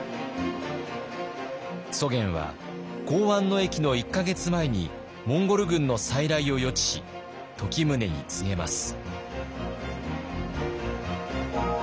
祖元は弘安の役の１か月前にモンゴル軍の再来を予知し時宗に告げます。